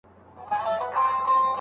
پلار زوی ته پخوانی ساعت ورکړ.